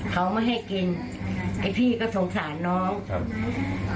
เขาไม่ให้กินไอ้พี่ก็สงสารน้องครับ